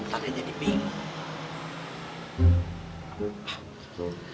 tadi jadi bingung